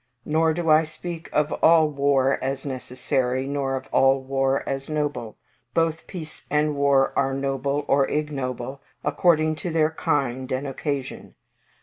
Nor do I speak of all war as necessary, nor of all war as noble. Both peace and war are noble or ignoble according to their kind and occasion.